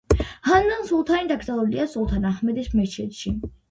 ჰანდან სულთანი დაკრძალულია სულთან აჰმედის მეჩეთში.